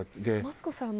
マツコさん